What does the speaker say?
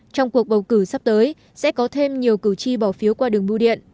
trong cuộc bầu cử sắp tới sẽ có thêm nhiều cử tri bỏ phiếu qua đường bưu điện